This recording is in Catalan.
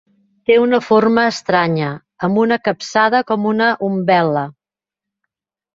Té una forma estranya, amb una capçada com una umbel·la.